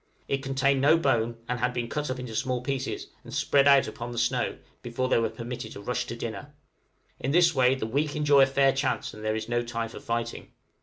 it contained no bone, and had been cut up into small pieces, and spread out upon the snow, before they were permitted to rush to dinner; in this way the weak enjoy a fair chance, and there is no time for fighting.